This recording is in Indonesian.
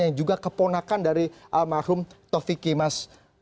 yang juga keponakan dari almarhum taufik kimas